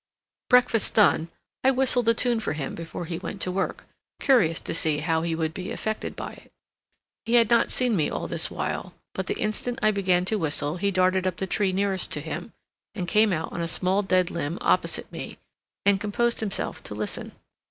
Breakfast done, I whistled a tune for him before he went to work, curious to see how he would be affected by it. He had not seen me all this while; but the instant I began to whistle he darted up the tree nearest to him, and came out on a small dead limb opposite me, and composed himself to listen.